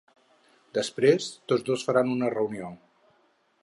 Després, tots dos faran una reunió.